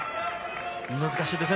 難しいですね。